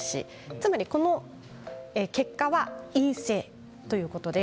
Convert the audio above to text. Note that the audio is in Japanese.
つまり結果は陰性ということです。